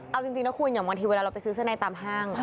เอาจริงนะคุณอย่างบางทีเวลาเราไปซื้อเสื้อในตามห้าง